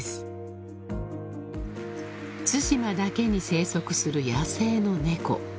［対馬だけに生息する野生の猫］